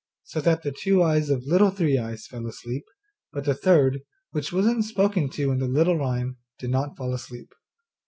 so that the two eyes of Little Three eyes fell asleep, but the third, which was not spoken to in the little rhyme, did not fall asleep.